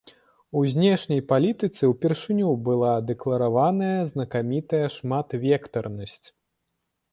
У знешняй палітыцы ўпершыню была дэклараваная знакамітая шматвектарнасць.